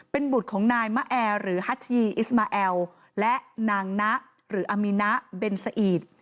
เป็นบุตรของนายมะแอร์หรือฮาชีอิสมาแอลและนางนะหรืออามีนะเบนซาอีท